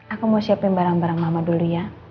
aku mau siapin barang barang lama dulu ya